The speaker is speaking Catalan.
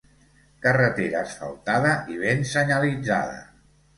Carretera asfaltada i ben senyalitzada.